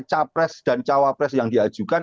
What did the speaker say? capres dan cawapres yang diajukan